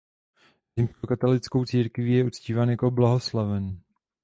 Římskokatolickou církví je uctíván jako blahoslavený.